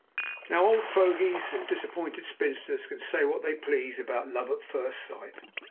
Now old fogies and disappointed spinsters can say what they please about love at first sight.